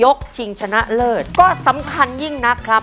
ชิงชนะเลิศก็สำคัญยิ่งนักครับ